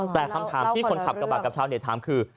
แต่คำถามที่คนขับกระบะกับชาวเน็ตถามคือ